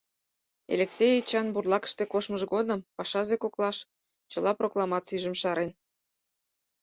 Элексей Эчан бурлакыште коштмыж годым пашазе коклаш чыла прокламацийжым шарен.